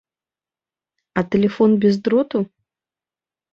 А тэлефон без дроту?